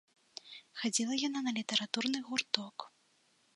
Хадзіла яна на літаратурны гурток.